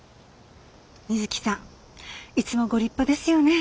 みづきさんいつもご立派ですよね。